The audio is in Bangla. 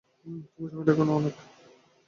তবে সংখ্যাটি এখনো অনেক।